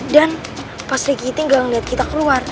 dan pas rikiti gak ngeliat kita keluar